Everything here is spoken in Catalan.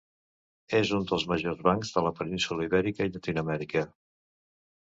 És un dels majors bancs de la península Ibèrica i Llatinoamèrica.